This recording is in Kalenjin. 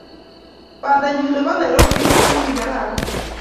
Bandanyu nebo Nairobi kokikararan.